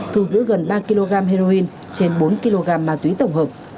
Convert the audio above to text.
thu giữ gần ba kg heroin trên bốn kg heroin